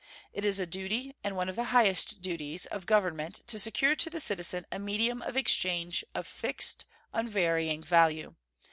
It is a duty, and one of the highest duties, of Government to secure to the citizen a medium of exchange of fixed, unvarying value.